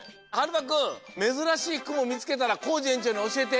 まくんめずらしいくもみつけたらコージえんちょうにおしえて。